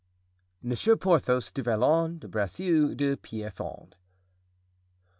Monsieur Porthos du Vallon de Bracieux de Pierrefonds.